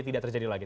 tidak terjadi lagi